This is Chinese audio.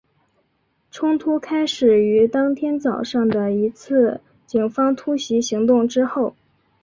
冲突开始于当天早上的一次警方突袭行动之后。